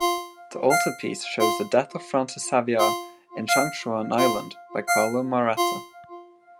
The altarpiece shows the "Death of Francis Xavier in Shangchuan Island" by Carlo Maratta.